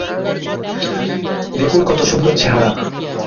দেখুন, কত সুন্দর চেহারা!